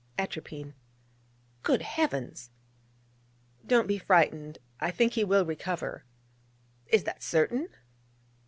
'Atropine.' 'Good Heavens!' 'Don't be frightened: I think he will recover.' 'Is that certain?'